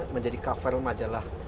menjadi cover majalah